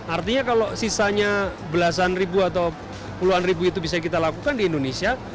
artinya kalau sisanya belasan ribu atau puluhan ribu itu bisa kita lakukan di indonesia